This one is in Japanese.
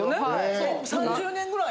そう３０年ぐらい。